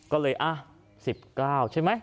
ก็เลย๑๙ใช่ไหม